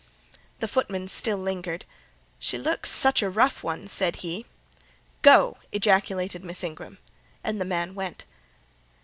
The footman still lingered. "She looks such a rough one," said he. "Go!" ejaculated Miss Ingram, and the man went.